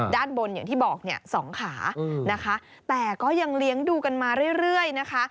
ด้านบนอย่างที่บอกเนี่ยสองขานะคะแต่ก็ยังเลี้ยงดูกันมาเรื่อยนะคะ